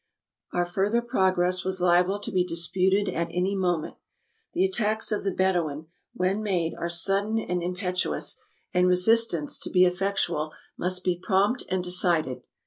Our farther progress was liable to be dis puted at any moment. The attacks of the Bedouin, when made, are sudden and impetuous; and resistance, to be effectual, must be prompt and decided.